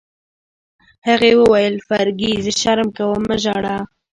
هغې وویل: فرګي، زه شرم کوم، مه ژاړه.